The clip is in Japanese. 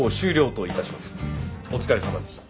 お疲れさまでした。